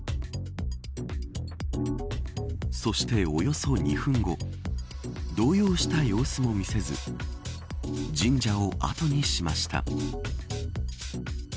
そして、およそ２分後動揺した様子も見せず神社を後にしました。